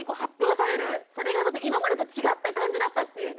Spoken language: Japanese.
それがちょっと今までと違った感じだったっていうね。